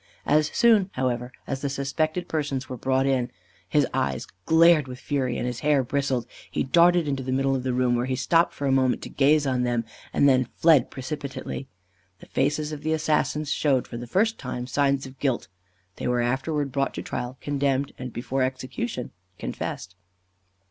As soon, however, as the suspected persons were brought in, his eyes glared with fury, and his hair bristled. He darted into the middle of the room, where he stopped for a moment to gaze on them, and then fled precipitately. The faces of the assassins showed, for the first time, signs of guilt: they were afterwards brought to trial, condemned, and, before execution, confessed.